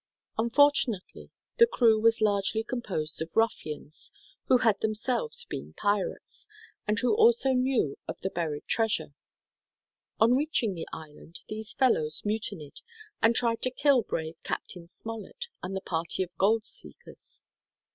Unfortunately, the crew was largely composed of ruffians, who had themselves been pirates, and who also knew of the buried treasure. On reaching the island, these fellows mutinied and tried to kill brave Captain Smollett and the party of gold seekers.